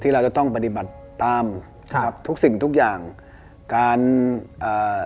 เราจะต้องปฏิบัติตามครับทุกสิ่งทุกอย่างการอ่า